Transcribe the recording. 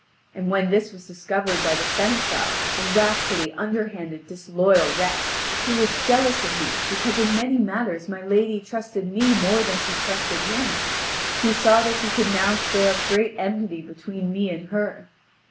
And when this was discovered by the seneschal a rascally, underhanded, disloyal wretch, who was jealous of me because in many matters my lady trusted me more than she trusted him, he saw that he could now stir up great enmity between me and her.